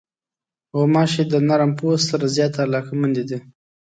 غوماشې د نرم پوست سره زیاتې علاقمندې دي.